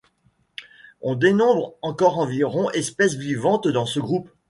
On dénombre encore environ espèces vivantes dans ce groupe.